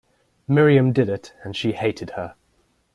Miriam did it, and she hated her.